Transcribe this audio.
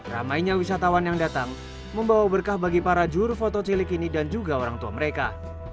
ramainya wisatawan yang datang membawa berkah bagi para juru foto cilik ini dan juga orang tua mereka